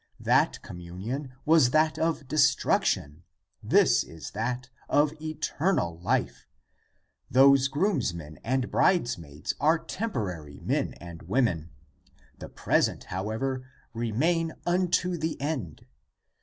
That communion was that of destruction, this is that of eternal life. Those groomsmen and bridesmaids are temporary men and women ; the present, how ever, remain unto the end.